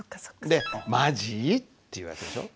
で「マジ」って言う訳でしょ。